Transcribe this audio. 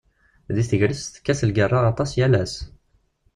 Deg tegrest, tekkat lgerra aṭas yal ass.